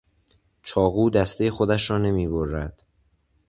چاقو دستهٔ خودش را نمیبرد.